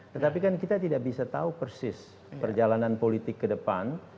tetapi kan kita tidak bisa tahu persis perjalanan politik ke depan